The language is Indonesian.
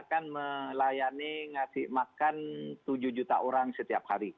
kita kan melayani ngasih makan tujuh juta orang setiap hari